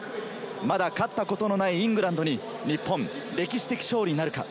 まだ勝ったことのないイングランドに日本、歴史的勝利なるか。